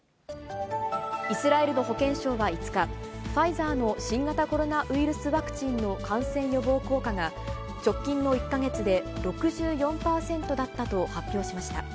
イスラエルの保健省は５日、ファイザーの新型コロナウイルスワクチンの感染予防効果が、直近の１か月で６４％だったと発表しました。